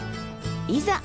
いざ！